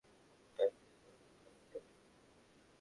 তাই, তুই তোর মার খেয়াল রাখি।